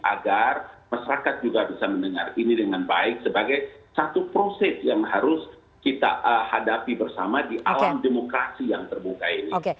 agar masyarakat juga bisa mendengar ini dengan baik sebagai satu proses yang harus kita hadapi bersama di alam demokrasi yang terbuka ini